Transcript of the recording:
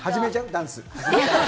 ダンス。